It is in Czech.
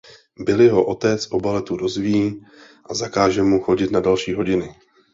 Billyho otec o baletu dozví a zakáže mu chodit na další hodiny.